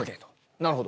なるほど！